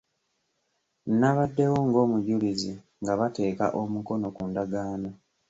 Nabaddewo ng'omujulizi nga bateeka omukono ku ndagaano.